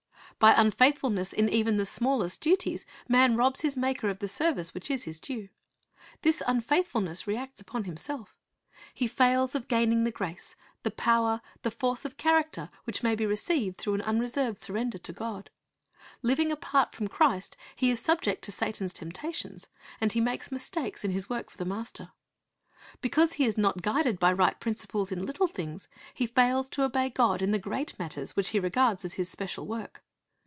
By unfaithfulness in even the smallest duties, man robs his Maker of the service which is His due. This unfaithfulness reacts upon himself He fails of gaining the grace, the power, the force of character which may be received through an unreserved surrender to God. Living apart from Christ he is subject to Satan's temptations, and he makes mistakes in his work for the Master. Because he is not guided by right principles in little things, he fails to obey God in the great matters which he regards as his special work.